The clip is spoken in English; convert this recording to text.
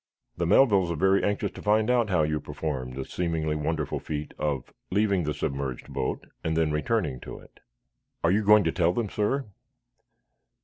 "The Melvilles are very anxious to find out how you performed the seemingly wonderful feat of leaving the submerged boat and then returning to it." "Are you going to tell them, sir."